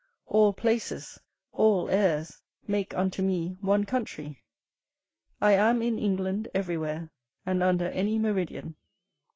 All places, all airs, make unto me one country; I am in England everywhere, and under any meridian.